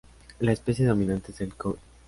La especie dominante es el coihue.